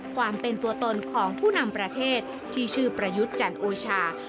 ความเป็นตัวตนของผู้นำประเทศที่ชื่อประยุทธ์จันโอชา